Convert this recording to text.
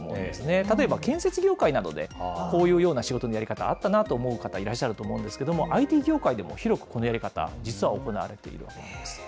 例えば、建設業界などでこういうような仕事のやり方、あったなと思う方、いらっしゃると思うんですけれども、ＩＴ業界でも広くこのやり方、実は行われているわけなんです。